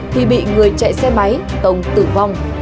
thì bị người chạy xe máy tông tử vong